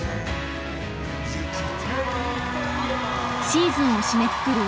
シーズンを締めくくる